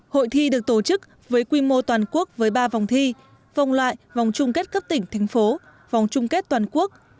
hội thi được tổ chức với quy mô toàn quốc với ba vòng thi vòng loại vòng chung kết cấp tỉnh thành phố vòng chung kết toàn quốc